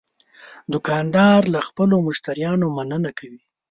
دوکاندار له خپلو مشتریانو مننه کوي.